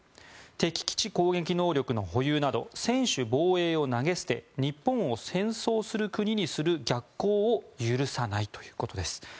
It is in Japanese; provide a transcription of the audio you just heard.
敵基地攻撃能力の保有など専守防衛を投げ捨て日本を戦争する国にする逆行を許さないということです。